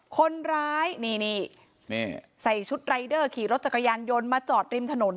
คนร้ายนี่นี่ใส่ชุดรายเดอร์ขี่รถจักรยานยนต์มาจอดริมถนน